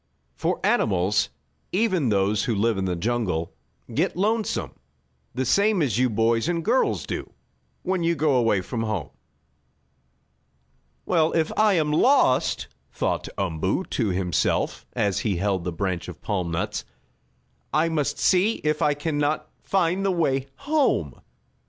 For animals, even those who live in the jungle, get lonesome, the same as you boys and girls do when you go away from home. "Well, if I am lost," thought Umboo to himself, as he held the branch of palm nuts, "I must see if I can not find the way home."